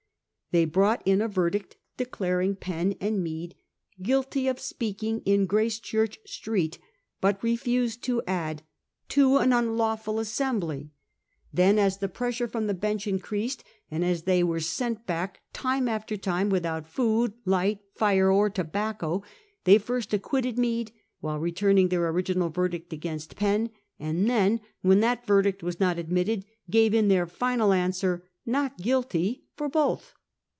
They brought in a verdict declar ing Penn and Mead ' guilty of speaking in Gracechurch Street,' but refused to add 'to an unlawful assembly.' Then, as the pressure from the bench increased, and as they were sent back time after time without food, light, fire, or tobacco, they first acquitted Mead, while return ing their original verdict upon Penn, and then, when that verdict was not admitted, gave in their final answer, ' not guilty,' for both.